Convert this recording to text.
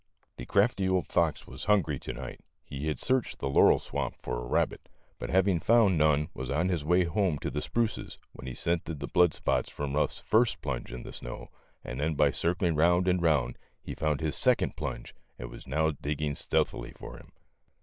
The crafty old fox was hungry to night. He had searched the laurel swamp for a rabbit, 122 THE LITTLE FORESTERS. but having found none was on his way home to the spruces, when he scented the blood spots from Euff 's first plunge in the snow, and then by circling round and round, he found his second plunge and was now digging stealthily for him.